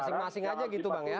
masing masing aja gitu bang ya